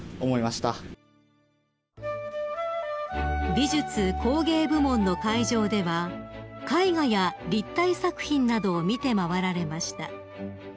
［美術・工芸部門の会場では絵画や立体作品などを見て回られました］